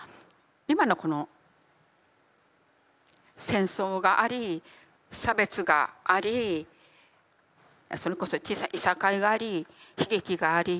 今のこの戦争があり差別がありそれこそ小さいいさかいがあり悲劇があり。